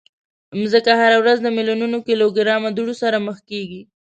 مځکه هره ورځ د میلیونونو کیلوګرامه دوړو سره مخ کېږي.